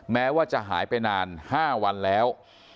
แม้ว่าจะหายไปนาน๕วันแล้ว